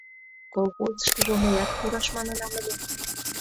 Колхозыштыжо мыят пураш манынам ыле...